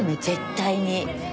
絶対に。